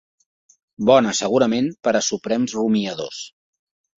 Bona segurament per a suprems rumiadors